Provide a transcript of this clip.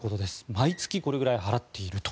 毎月これぐらい払っていると。